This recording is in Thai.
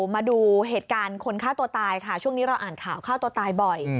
มาดูเหตุการณ์คนฆ่าตัวตายค่ะช่วงนี้เราอ่านข่าวฆ่าตัวตายบ่อย